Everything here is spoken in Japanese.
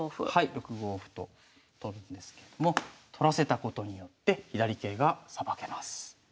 はい６五歩と取るんですけれども取らせたことによって左桂がさばけます。